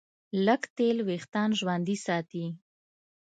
لږ تېل وېښتيان ژوندي ساتي.